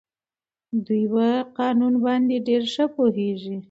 دوی په قانون باندې ډېر ښه پوهېږي.